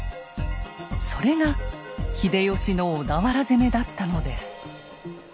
それが秀吉の小田原攻めだったのです。